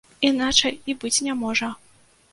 Іначай і быць не можа.